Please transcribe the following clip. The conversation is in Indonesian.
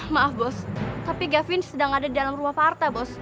maaf bos tapi gavin sedang ada di dalam rumah pa arta bos